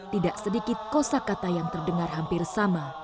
tidak sedikit kosa kata yang terdengar hampir sama